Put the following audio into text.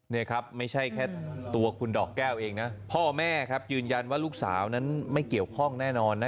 นี่ครับไม่ใช่แค่ตัวคุณดอกแก้วเองนะพ่อแม่ครับยืนยันว่าลูกสาวนั้นไม่เกี่ยวข้องแน่นอนนะ